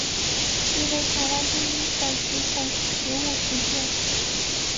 其为台湾第一本食虫植物图鉴。